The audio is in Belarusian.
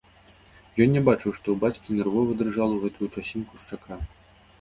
Ён не бачыў, што ў бацькі нервова дрыжала ў гэту часінку шчака.